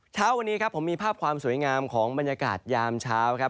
เช้าวันนี้ครับผมมีภาพความสวยงามของบรรยากาศยามเช้าครับ